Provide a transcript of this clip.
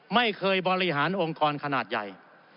ไม่เคยบริหารองค์คอนขนาดใหญ่